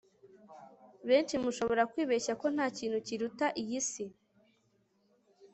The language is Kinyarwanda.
benshi mushobora kwibeshya ko nta kintu kiruta iyi isi